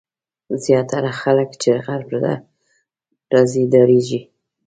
زیاتره خلک چې غرب ته راځي ډارېږي.